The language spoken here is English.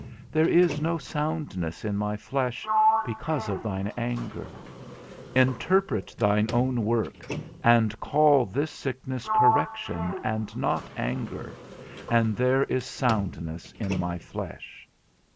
There is no soundness in my flesh, because of thine anger. Interpret thine own work, and call this sickness correction, and not anger, and there is soundness in my flesh.